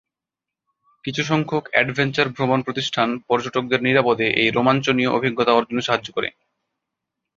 কিছু সংখ্যক অ্যাডভেঞ্চার ভ্রমণ প্রতিষ্ঠান পর্যটকদের নিরাপদে এই রোমাঞ্চনীয় অভিজ্ঞতা অর্জনে সাহায্য করে।